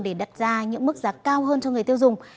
để đặt ra những mức giá cao hơn cho người tiêu dùng